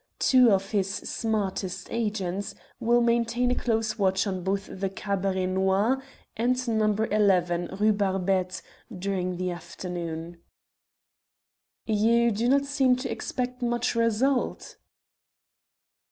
Two of his smartest agents will maintain a close watch on both the Cabaret Noir and No. 11, Rue Barbette, during the afternoon." "You do not seem to expect much result?"